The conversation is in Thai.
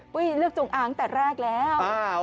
ปุ้ยเลือกจงอางตัดแรกแล้ว